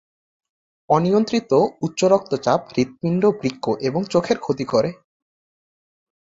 অনিয়ন্ত্রিত উচ্চ রক্তচাপ হৃৎপিণ্ড, বৃক্ক এবং চোখের ক্ষতি করে।